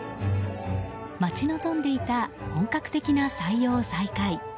待ち望んでいた本格的な採用再開。